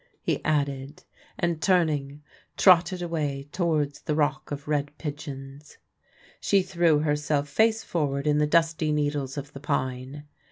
he added, and, turning, trotted away towards the Rock of Red Pigeons. She threw herself, face forward, in the dusty needles of the pines.